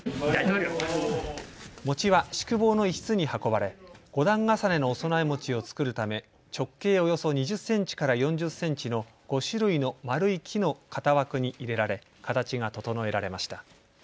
餅は宿坊の一室に運ばれ５段重ねのお供え餅を作るため直径およそ２０センチから４０センチの５種類の丸い木の型枠に入れられ形が整えられました。